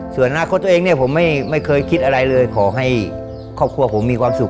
ส่วนอนาคตตัวเองเนี่ยผมไม่เคยคิดอะไรเลยขอให้ครอบครัวผมมีความสุข